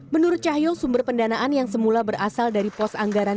menurut cahyo sumber pendanaan yang semula berasal dari pos anggaran